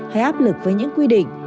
hay áp lực với những quy định